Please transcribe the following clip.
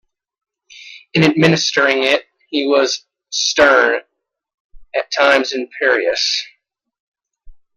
In administering it he was stern, at times imperious.